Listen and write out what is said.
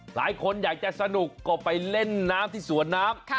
หลายคนอยากจะสนุกก็ไปเล่นน้ำที่สวนน้ำ